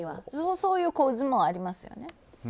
そういう構図もありますよね。